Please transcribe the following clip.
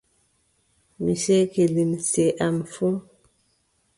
Mi seeki limce am fuu.